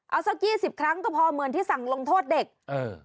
เอาสักยี่สิบครั้งก็พอเหมือนที่สั่งลงโทษเด็กเออ